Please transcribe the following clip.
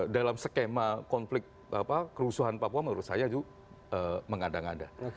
dalam skema konflik kerusuhan papua menurut saya itu mengada ngada